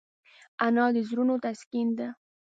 انا د زړونو تسکین ده